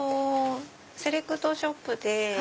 セレクトショップで。